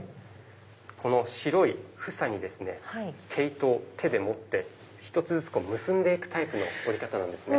この白いふさに毛糸を手で持って１つずつ結んで行くタイプの織り方なんです。